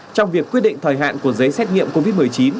trong việc quyết định thời hạn của giấy xét nghiệm covid một mươi chín